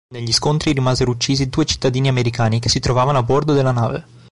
Negli scontri rimasero uccisi due cittadini americani che si trovavano a bordo della nave.